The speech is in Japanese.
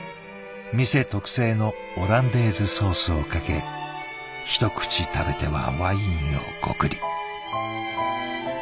店特製のオランデーズソースをかけ一口食べてはワインをごくり。